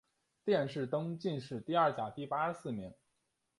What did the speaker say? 殿试登进士第二甲第八十四名。